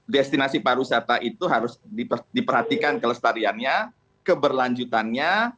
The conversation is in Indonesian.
destinasi para wisata itu harus diperhatikan kelestariannya keberlanjutannya